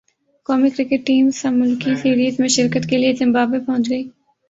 قومی cricket team سہ ملکی سیریز میں شرکت کے لیے زمبابوے پہنچ گئی